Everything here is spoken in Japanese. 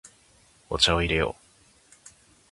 お茶を入れよう。